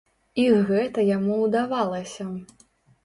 І гэта яму ўдавалася.